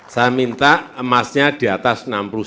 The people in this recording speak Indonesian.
saya minta emasnya di atas enam puluh sembilan